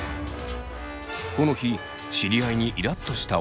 この日知り合いにイラっとした小高さん。